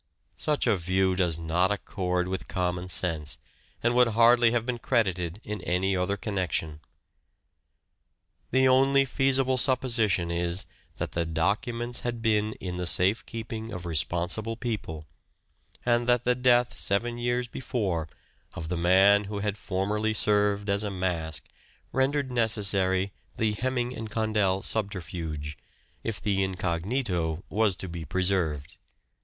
Such a view does not accord with common sense and would hardly have been credited in any other connection. The only feasible supposition is that the documents had been in the safe keeping of responsible people, and that the death seven years before of the man who had formerly served as a mask rendered necessary the " Heming and Condell " subterfuge, if the incognito was to be preserved.